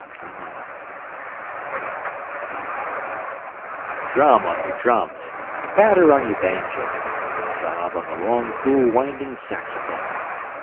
Jazz Fantasia DRUM on your drums, batter on your banjoes, sob on the long cool winding saxophones.